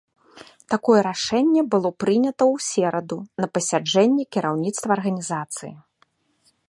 Такое рашэнне было прынята ў сераду на пасяджэнні кіраўніцтва арганізацыі.